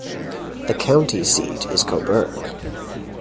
The county seat is Cobourg.